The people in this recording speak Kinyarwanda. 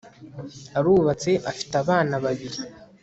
arubatse afite abana babiri